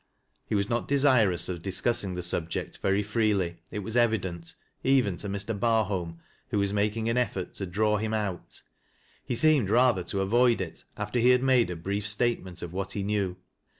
He was not desirous of discussing the subject vcr; freely, it was evident, even to Mr. Barholm, who was making an effort to draw him out. He seemed rather to avoid it, after he had made a brief statement of what he knew.